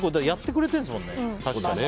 やってくれてるんですもんね。